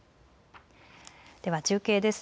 では中継です。